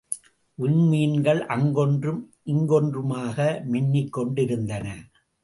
விண்மீன்கள் அங்கொன்றும் இங்கொன்றுமாக மின்னிக் கொண்டிருந்தன.